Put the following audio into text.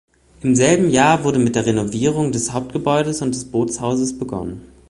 Im selben Jahr wurde mit der Renovierung des Hauptgebäudes und des Bootshauses begonnen.